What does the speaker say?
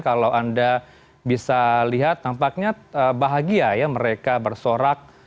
kalau anda bisa lihat nampaknya bahagia ya mereka bersorak